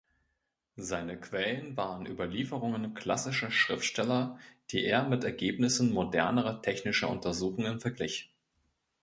Seine Quellen waren Überlieferungen klassischer Schriftsteller, die er mit Ergebnissen modernerer technischer Untersuchungen verglich.